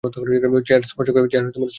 Chair স্পর্শ করিস না!